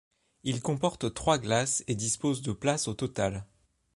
Il comporte trois glaces et dispose de places au total.